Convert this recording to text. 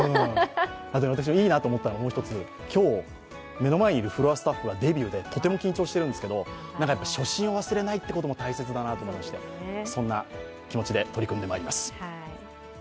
いいなと思ったのは、もう一つ、今日、目の前にいるフロアスタッフがデビューで、初心を忘れないことも大切だなと思いまして、そんな気持ちで取り組んでまいります。